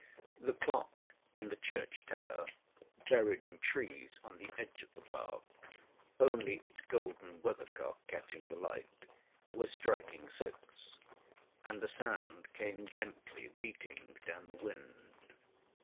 The clock in the church tower, buried in trees on the edge of the park, only its golden weather cock catching the light, was striking six, and the sound came gently beating down the wind.